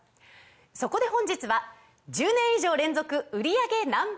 そこで本日は１０年以上連続売り上げＮｏ．１